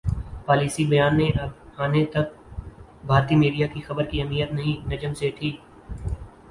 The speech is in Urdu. پالیسی بیان انے تک بھارتی میڈیا کی خبر کی اہمیت نہیںنجم سیٹھی